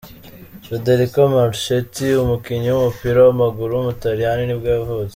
Federico Marchetti, umukinnyi w’umupira w’amaguru w’umutaliyani nibwo yavutse.